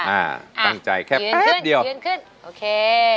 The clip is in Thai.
ตั้งใจแค่แป๊บเดียวยืนขึ้นยืนขึ้นโอเค